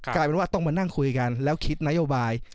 กลายเป็นว่าต้องมานั่งคุยกันแล้วคิดนโยบาย